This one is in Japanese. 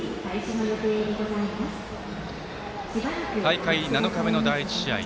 大会７日目の第１試合